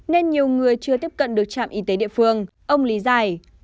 nên nhiều người chưa tiếp cận được trạm y tế địa phương ông lý giải